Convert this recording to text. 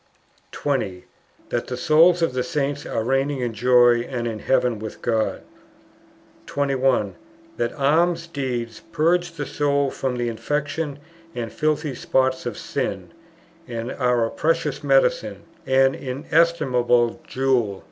20. That the souls of the Saints are reigning in joy and in heaven with God. 21. That alms deeds purge the soul from the infection and filthy spots of sin, and are a precious medicine, an inestimable jewel.